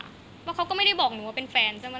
เพราะเขาก็ไม่ได้บอกหนูว่าเป็นแฟนใช่ไหม